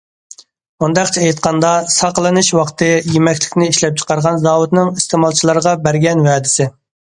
مۇنداقچە ئېيتقاندا،‹‹ ساقلىنىش ۋاقتى›› يېمەكلىكنى ئىشلەپچىقارغان زاۋۇتنىڭ ئىستېمالچىلارغا بەرگەن ۋەدىسى.